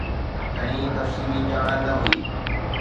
گهڻي تفصيلي ڄاڻ نه هئي.